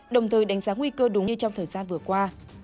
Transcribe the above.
đồng thời đánh giá nguy cơ đúng như trong thời gian vừa qua